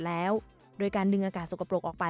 และการบริการผู้โดยสาร๑๒๗๕ราย